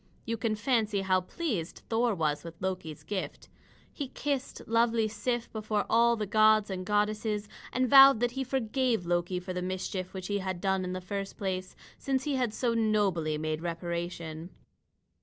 You can fancy how pleased Thor was with Loki's gift. He kissed lovely Sif before all the gods and goddesses, and vowed that he forgave Loki for the mischief which he had done in the first place, since he had so nobly made reparation.